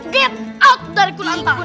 get out dari kulantang